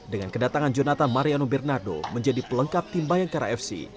dengan kedatangan jonathan mariano bernardo menjadi pelengkap tim bayangkara fc